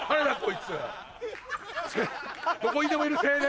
どこにでもいる青年。